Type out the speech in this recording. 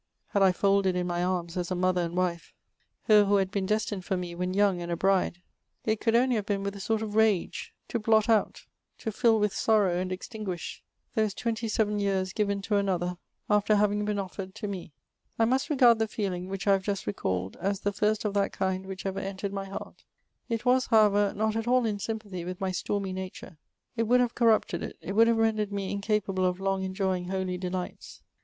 had I folded in my arms as a mother and wife, her who had been destined for me when young and a bride, it could only have been with a sort of rage, to blot out, to fill with sorrow, and extinguish, those twenty seven years given to another, after having been offered to me. I must regard the feeling which I have just recalled as the first of that kind which ever entered my heart ; it was, how ever, not at all in sympathy with my stormy nature ; it would have corrupted it; it would have rendered me incapable of long enjoying holy delights.